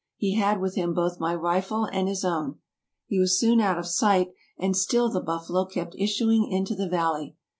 He had with him both my rifle and his own. He was soon out of sight, and still the buffalo kept issuing into the valley.